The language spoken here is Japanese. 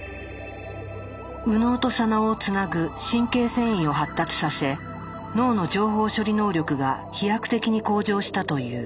右脳と左脳をつなぐ神経線維を発達させ脳の情報処理能力が飛躍的に向上したという。